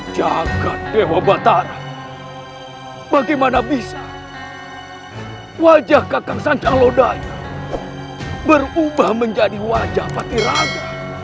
jaga dewa batara bagaimana bisa wajah kakang sancaglodaya berubah menjadi wajah patiraga